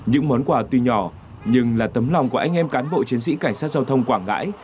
những món quà tuy nhỏ nhưng là tấm lòng của anh em cán bộ chiến sĩ cảnh sát giao thông quảng ngãi